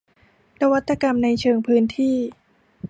นวัตกรรมในเชิงพื้นที่